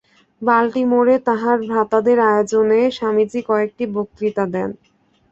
বাল্টিমোরে তাঁহার ভ্রাতাদের আয়োজনে স্বামীজী কয়েকটি বক্তৃতা দেন।